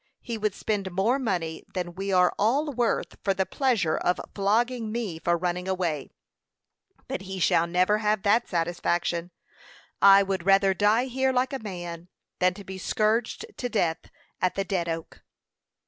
He would spend more money than we are all worth for the pleasure of flogging me for running away; but he shall never have that satisfaction. I had rather die here like a man than to be scourged to death at the Dead Oak."